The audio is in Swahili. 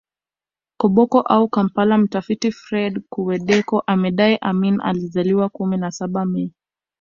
Koboko au Kampala Mtafiti Fred Guweddeko amedai Amin alizaliwa kumi na saba Mei